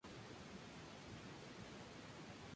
Inició una vida itinerante que rodeó de leyendas su figura.